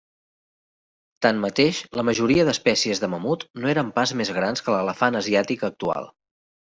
Tanmateix, la majoria d'espècies de mamut no eren pas més grans que l'elefant asiàtic actual.